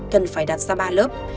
cần phải đặt ra ba lớp